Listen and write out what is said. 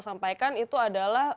sampaikan itu adalah